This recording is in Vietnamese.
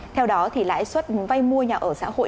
theo đó thì lãi suất vay mua nhà ở xã hội